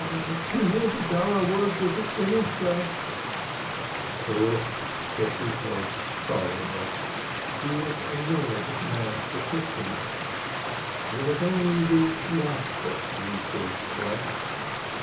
"Two years ago I worked as a finisher." Baruch shook his head silently. He was annoyed at the man's persistence. There was only the laster resource left.